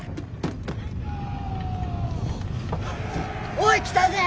おい来たぜ！